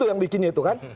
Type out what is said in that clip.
yang bikinnya itu kan